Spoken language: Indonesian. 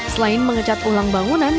selain mengecat ulang bangunan